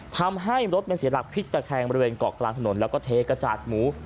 ทำให้รถมันเสียหลักพลิกตะแคงบริเวณเกาะกลางถนนแล้วก็เทกระจาดหมู